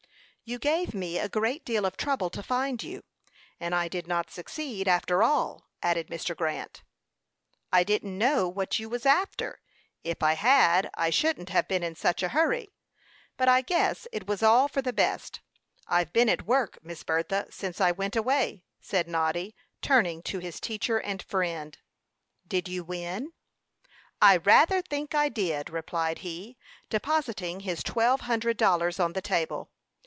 "You gave me a great deal of trouble to find you; and I did not succeed, after all," added Mr. Grant. "I didn't know what you was after. If I had, I shouldn't have been in such a hurry. But I guess it was all for the best. I've been at work, Miss Bertha, since I went away," said Noddy, turning to his teacher and friend. "Did you win?" "I rather think I did," replied he, depositing his twelve hundred dollars on the table.